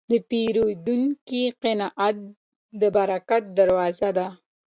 د پیرودونکي قناعت د برکت دروازه ده.